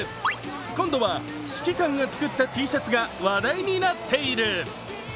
今度は指揮官が作ったＴシャツが話題になっている。